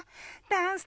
ダンス！